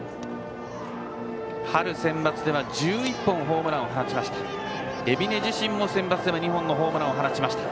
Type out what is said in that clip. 春センバツでは１１本ホームランを放ちました。